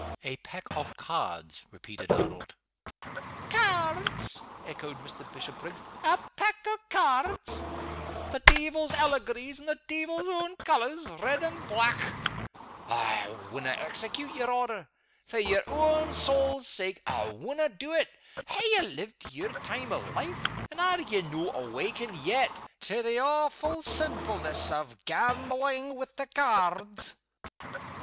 "A pack of cards," repeated Arnold. "Cairds?" echoed Mr. Bishopriggs. "A pack o' cairds? The deevil's allegories in the deevil's own colors red and black! I wunna execute yer order. For yer ain saul's sake, I wunna do it. Ha' ye lived to your time o' life, and are ye no' awakened yet to the awfu' seenfulness o' gamblin' wi' the cairds?"